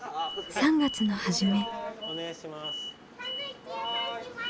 ３月の初め。